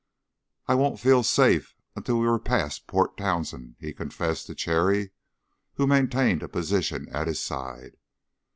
"I won't feel safe until we are past Port Townsend," he confessed to Cherry, who maintained a position at his side.